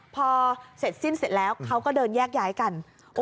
พอเสร็จสิ้นเสร็จแล้วเขาก็เดินแยกย้ายกัน